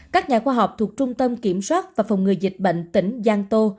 các nhà khoa học thuộc trung tâm kiểm soát và phòng ngừa dịch bệnh tỉnh giang tô